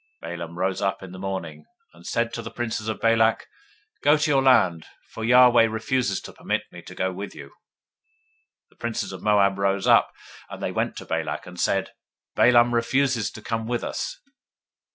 022:013 Balaam rose up in the morning, and said to the princes of Balak, Get you into your land; for Yahweh refuses to give me leave to go with you. 022:014 The princes of Moab rose up, and they went to Balak, and said, Balaam refuses to come with us.